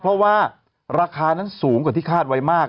เพราะว่าราคานั้นสูงกว่าที่คาดไว้มาก